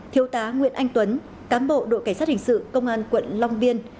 thiếu tá nguyễn anh tuấn cám bộ đội cảnh sát hình sự công an quận long biên